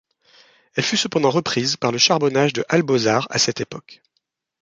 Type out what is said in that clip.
Elle fut cependant reprise par le charbonnage de Halbosart à cette époque.